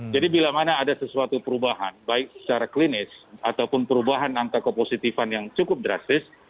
jadi bila mana ada sesuatu perubahan baik secara klinis ataupun perubahan angka kepositifan yang cukup drastis